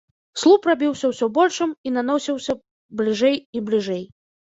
Слуп рабіўся ўсё большым і наносіўся бліжэй і бліжэй.